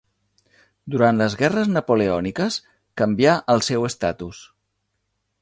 Durant les Guerres Napoleòniques canvià el seu estatus.